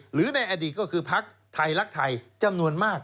หรือในอดีตก็คือพักไทยรักไทยจำนวนมาก